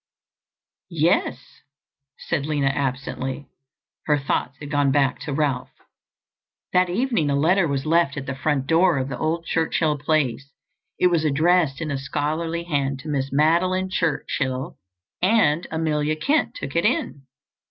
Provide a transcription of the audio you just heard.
"Yes," said Lina absently; her thoughts had gone back to Ralph. That evening a letter was left at the front door of the old Churchill place. It was addressed in a scholarly hand to Miss Madeline Churchill, and Amelia Kent took it in.